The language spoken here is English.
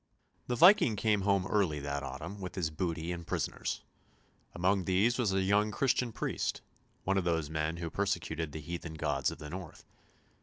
The Viking came home early that autumn with his booty and prisoners; among these was a young Christian priest, one of those men who persecuted the heathen gods of the north.